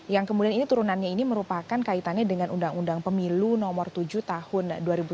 yang kemudian ini turunannya ini merupakan kaitannya dengan undang undang pemilu nomor tujuh tahun dua ribu tujuh belas